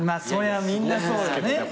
それはみんなそうよね。